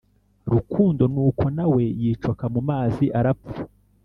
Rukundo Nuko na we yicoka mu mazi arapfa